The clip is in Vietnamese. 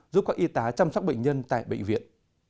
giúp các y tá chăm sóc bệnh nhân tại bệnh viện